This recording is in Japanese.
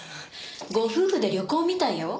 ご夫婦で旅行みたいよ。